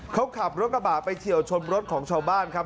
เขาขับรถกระบะไปเฉียวชนรถของชาวบ้านครับ